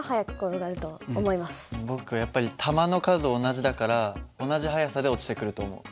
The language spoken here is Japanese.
僕はやっぱり玉の数同じだから同じ速さで落ちてくると思う。